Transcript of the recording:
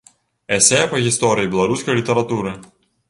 Эсэ па гісторыі беларускай літаратуры.